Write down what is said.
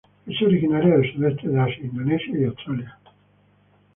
Es originaria del Sudeste de Asia, Indonesia y Australia.